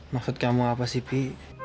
maksud kamu apa sih pi